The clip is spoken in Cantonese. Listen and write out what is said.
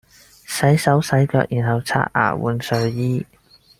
洗手洗腳然後刷牙換睡衣